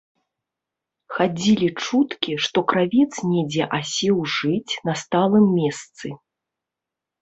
Хадзілі чуткі, што кравец недзе асеў жыць на сталым месцы.